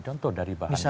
contoh dari bahan bahannya